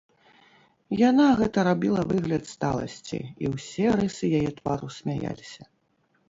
Яна гэта рабіла выгляд сталасці, і ўсе рысы яе твару смяяліся.